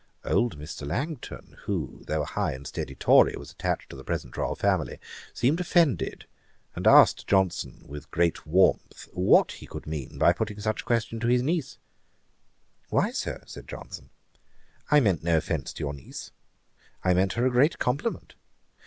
Old Mr. Langton, who, though a high and steady Tory, was attached to the present Royal Family, seemed offended, and asked Johnson, with great warmth, what he could mean by putting such a question to his niece? 'Why, Sir, (said Johnson) I meant no offence to your niece, I meant her a great compliment.